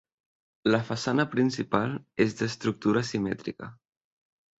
La façana principal és d'estructura simètrica.